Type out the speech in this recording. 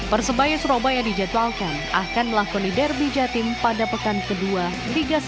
persebaya surabaya dijadwalkan akan melakoni derby jatim pada pekan kedua liga satu